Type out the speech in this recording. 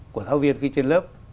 của thao viên khi trên lớp